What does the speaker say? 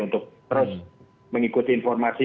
untuk terus mengikuti informasi